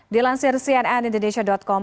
dilansir cnn indonesia com